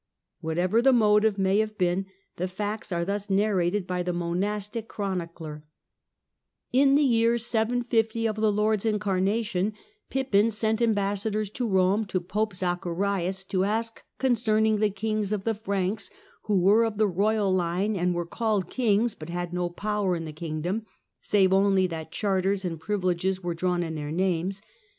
Whatever the motive may have been, the facts are thus narrated by the monastic chronic ler :— Pippin, " In the year 750 of the Lord's incarnation, Pippin Franks, 750 sent ambassadors to Rome to Pope Zacharias, to ask concerning the kings of the Franks who were of the royal line and were called kings, but had no power in the kingdom, save only that charters and privileges were drawn in their names.